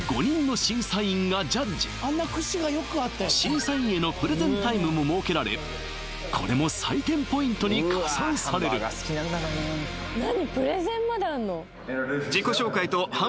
審査員へのプレゼンタイムも設けられこれも採点ポイントに加算される何？